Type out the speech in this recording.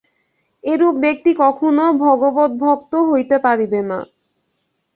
এরূপ ব্যক্তি কখনও ভগবদ্ভক্ত হইতে পারিবে না।